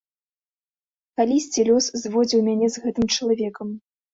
Калісьці лёс зводзіў мяне з гэтым чалавекам.